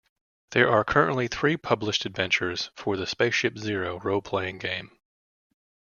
There are currently three published adventures for the Spaceship Zero roleplaying game.